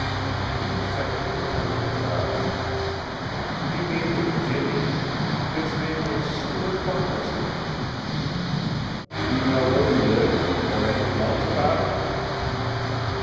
The secretary arched her brows. "Do you mean the Virginian? His name was Stuart Farquaharson." "Do you know where he lives or anything else about him?"